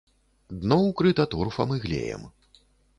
Дно ўкрыта торфам і глеем.